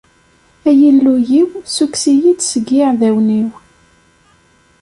Ay Illu-iw, ssukkes-iyi-d seg yiεdawen-iw.